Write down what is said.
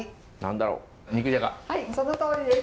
そのとおりです。